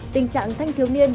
tình trạng thanh thiếu niên